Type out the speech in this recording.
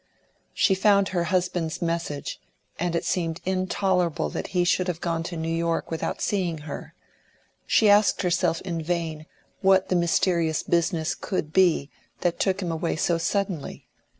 She found her husband's message, and it seemed intolerable that he should have gone to New York without seeing her; she asked herself in vain what the mysterious business could be that took him away so suddenly.